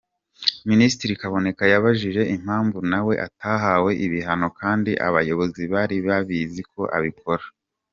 Minisitiri Kaboneka yabajije impamvu nawe atahawe ibihano kandi abayobozi bari babizi ko abikora.